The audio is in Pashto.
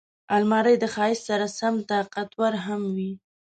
الماري د ښایست سره سم طاقتور هم وي